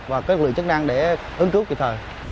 và các lực lượng chức năng để hướng trước kịp thời